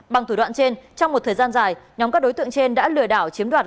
bằng thủ đoạn trên trong một thời gian dài nhóm các đối tượng trên đã lừa đảo chiếm đoạt